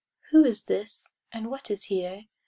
Who is this? and what is here?